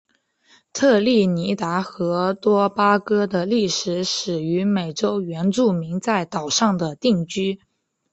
特立尼达和多巴哥的历史始于美洲原住民在岛上的定居。